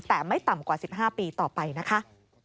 แต่ไม่ต่ำกว่า๑๕ปีต่อไปนะคะ